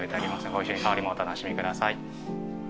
ご一緒に香りもお楽しみください。